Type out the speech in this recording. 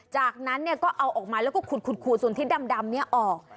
จากนั้นก็เอาออกมาแล้วก็ขุดส่วนที่ดำนี้ออก